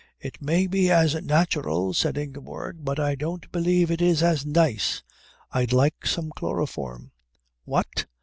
"It may be as natural," said Ingeborg, "but I don't believe it's as nice. I'd like some chloroform." "What!